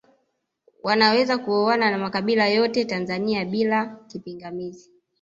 Wanaweza kuoana na makabila yote Tanzania bila kipingamizi